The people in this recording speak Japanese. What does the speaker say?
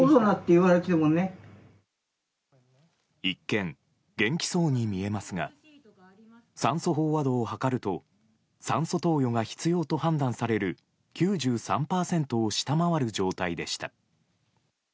一見、元気そうに見えますが酸素飽和度を測ると酸素投与が必要と判断される９３％を下回る状態でした。